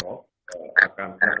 protokol yang akan dijalankan dengan ketat